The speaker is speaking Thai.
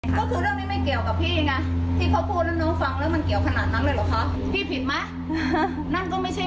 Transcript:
ว่าเออเขาก็มีคนออกข่าวแล้วเขาบอกว่า